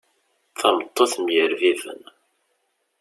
Tameṭṭut mm yerbiben.